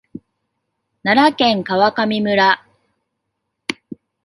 奈良県川上村